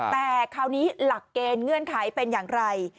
แต่คราวนี้หลักเกณฑ์เงื่อนไขเป็นอย่างไร